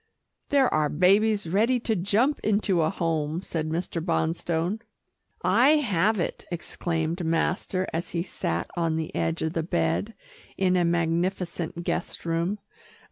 "There are babies ready to jump into a home," said Mr. Bonstone. "I have it," exclaimed master as he sat on the edge of the bed, in a magnificent guest room.